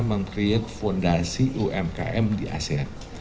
membuat fondasi umkm di asean